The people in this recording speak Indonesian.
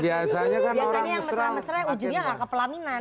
biasanya kan orang mesra ujungnya enggak kepelaminan